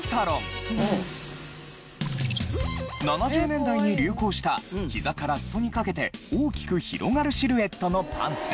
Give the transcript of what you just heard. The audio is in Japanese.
７０年代に流行した膝から裾にかけて大きく広がるシルエットのパンツ。